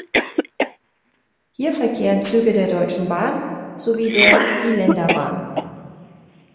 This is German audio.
Hier verkehren Züge der Deutschen Bahn sowie der Die Länderbahn.